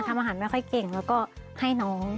ทำอาหารไม่ค่อยเก่งแล้วก็ให้น้อง